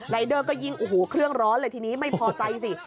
รายเดอร์ก็ยิ่งอ่ะขึ้นร้อนเลยทีนี้ไม่พอไปสิ